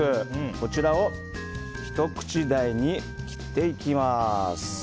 こちらをひと口大に切っていきます。